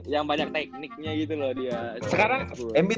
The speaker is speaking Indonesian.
yang banyak tekniknya gitu loh dia